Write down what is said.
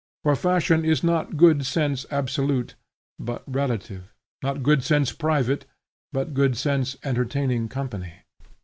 For fashion is not good sense absolute, but relative; not good sense private, but good sense entertaining company.